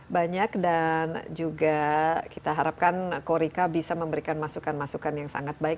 banyak dan juga kita harapkan korika bisa memberikan masukan masukan yang sangat baik